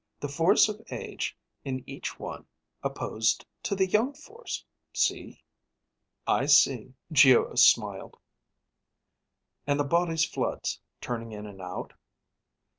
The force of age in each one opposed to the young force. See?" "I see," Geo smiled. "And the body's floods, turning in and out?"